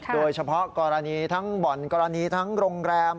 โดยเฉพาะกรณีทั้งบ่อนกรณีทั้งโรงแรม